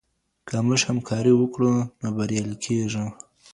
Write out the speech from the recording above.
که موږ همکاري وکړو نو بریالي کیږو.